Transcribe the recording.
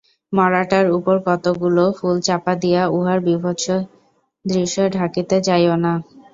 মড়াটার উপর কতকগুলো ফুল চাপা দিয়া উহার বীভৎস দৃশ্য ঢাকিতে যাইও না।